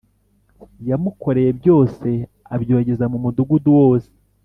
Yamukoreye byose abyogeza mu mudugudu wose